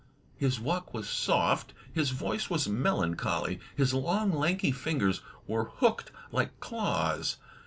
His walk was sofj;; his voice was melancholy; his long, lanky fingers were hooked like claws.